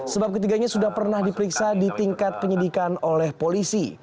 sebab ketiganya sudah pernah diperiksa di tingkat penyidikan oleh polisi